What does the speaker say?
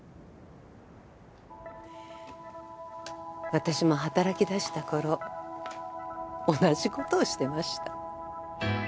私も働きだした頃同じ事をしてました。